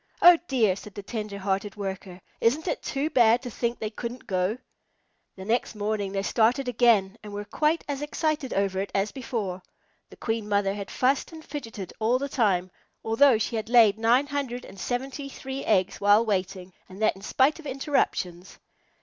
"Oh dear!" said the tender hearted Worker, "isn't it too bad to think they couldn't go?" The next morning they started again and were quite as excited over it as before. The Queen Mother had fussed and fidgeted all the time, although she had laid nine hundred and seventy three eggs while waiting, and that in spite of interruptions.